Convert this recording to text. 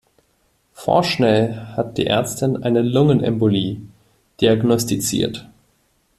Vorschnell hat die Ärztin eine Lungenembolie diagnostiziert.